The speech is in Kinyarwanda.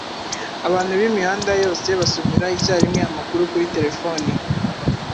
abantu b’imihanda yose basomera icyarimwe amakuru kuri terefoni